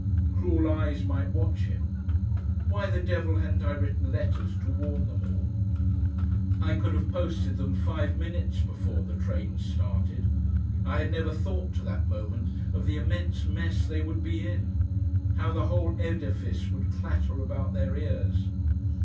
Cruel eyes might watch him. Why the devil hadn't I written letters to warn them all? I could have posted them five minutes before the train started. I had never thought to that moment of the immense mess they would be in; how the whole edifice would clatter about their ears.